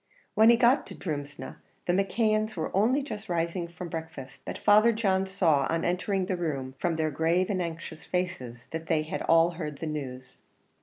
When he got to Drumsna, the McKeons were only just rising from breakfast, but Father John saw, on entering the room, from their grave and anxious faces, that they had all heard the news.